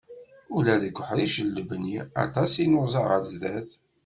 Ula deg uḥric n lebni, aṭas i nuẓa ɣar sdat.